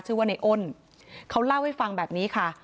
ชื่อว่าในอ้นเขาเล่าให้ฟังแบบนี้ค่ะ